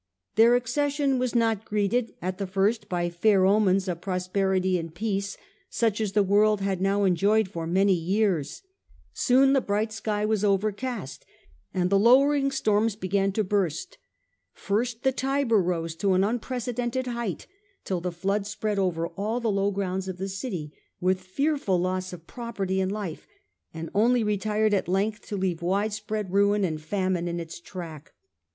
Their accession was not greeted at the first by fair omens of prosperity and peace, such as the world had now enjoyed for many years. Soon the bright The omin sky was overcast, and the lowering storms began to burst. First the Tiber rose to an war. unprecedented height, till the flood spread over all the low grounds of the city, with fearful loss of property and life, and only retired at length to leave widespread ruin 88 The Age of the Anionines. a.d. and famine in its track.